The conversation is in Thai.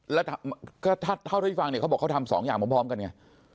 แล้วถ้าเท่าที่ฟังเนี่ยเขาบอกเขาทำสองอย่างพร้อมกันไง